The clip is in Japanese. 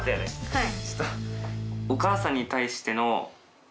はい。